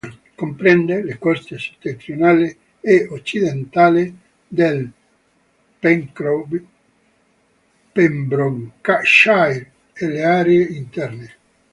Comprende le coste settentrionale e occidentale del Pembrokeshire e le aree interne.